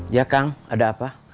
ya kang ada apa